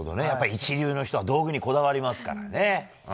一流の人は道具にこだわりますからね。